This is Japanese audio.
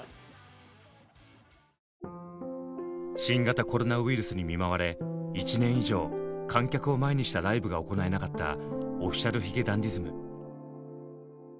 新型コロナウイルスに見舞われ１年以上観客を前にしたライブが行えなかったＯｆｆｉｃｉａｌ髭男ｄｉｓｍ。